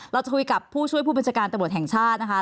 เราจะคุยกับผู้ช่วยผู้บัญชาการตำรวจแห่งชาตินะคะ